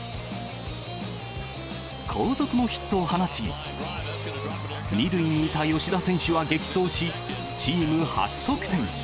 後続もヒットを放ち、２塁にいた吉田選手は激走し、チーム初得点。